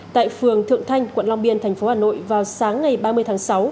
tại phường thượng thanh quận long biên tp hà nội vào sáng ngày ba mươi tháng sáu